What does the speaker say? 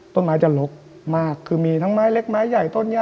ต้นไม้จะหลวกมากคือมีทั้งไม้เล็กใหญ่